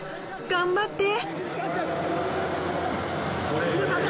頑張って！